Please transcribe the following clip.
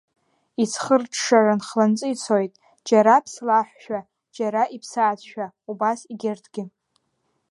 Иӡхырҽҽаран хланҵы ицоит, џьара ԥслаҳәшәа, џьара иԥсаатәшәа, убас егьырҭгьы.